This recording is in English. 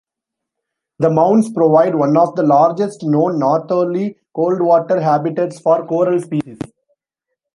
The mounds provide one of the largest known northerly cold-water habitats for coral species.